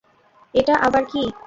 এটা আবার কী!